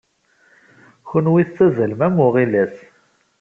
Kenwi tettazzalem am uɣilas.